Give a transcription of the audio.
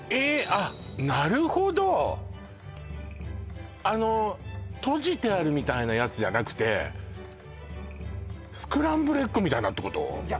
あっなるほどあのとじてあるみたいなやつじゃなくてスクランブルエッグみたいなってこと？